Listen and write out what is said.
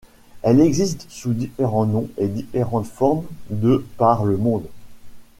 Elle existe sous différents noms et différentes formes de par le monde.